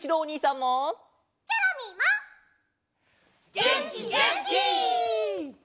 げんきげんき！